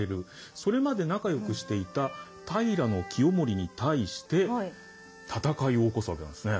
それまで仲よくしていた平清盛に対して戦いを起こすわけなんですね。